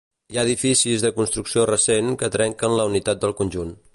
Hi ha edificis de construcció recent que trenquen la unitat del conjunt.